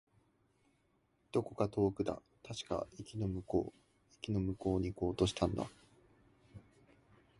どこか遠くだ。確か、駅の向こう。駅の向こうに行こうとしたんだ。